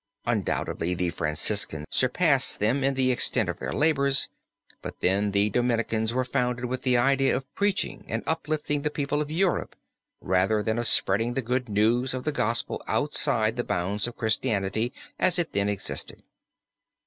Undoubtedly the Franciscans surpassed them in the extent of their labors, but then the Dominicans were founded with the idea of preaching and uplifting the people of Europe rather than of spreading the good news of the Gospel outside the bounds of Christianity as it then existed.